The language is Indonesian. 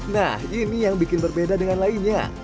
nah ini yang bikin berbeda dengan lainnya